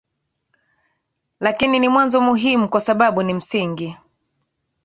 lakini ni mwazo muhimu kwa sababu ni msingi